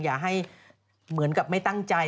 อย่าให้เหมือนกับไม่ตั้งใจ